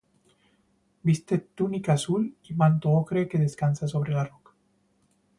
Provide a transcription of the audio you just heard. Viste túnica azul y manto ocre que descansa sobre la roca.